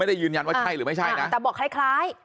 ได้ยืนยันว่าใช่หรือไม่ใช่นะแต่บอกคล้ายคล้าย